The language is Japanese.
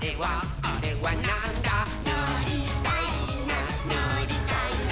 「のりたいなのりたいな」